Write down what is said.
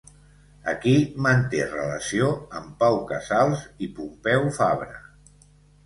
Aquí manté relació amb Pau Casals i Pompeu Fabra.